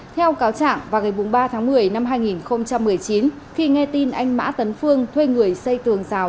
theo cáo trạng vào ngày bốn mươi ba tháng một mươi năm hai nghìn một mươi chín khi nghe tin anh mã tấn phương thuê người xây tường rào